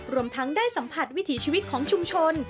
รวมทั้งได้สัมผัสวิถีชีวิตของชุมชน